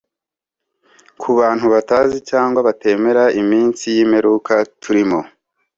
Ku bantu batazi cyangwa batemera iminsi y’imperuka turimo